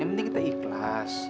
ya mending kita ikhlas